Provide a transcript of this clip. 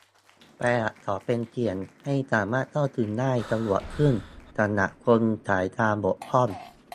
แปลงอักษรเป็นเสียง ให้สามารถเข้าถึงได้สะดวกขึ้นสำหรับคนสายตาบกพร่อง